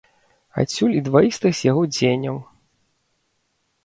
Адсюль і дваістасць яго дзеянняў.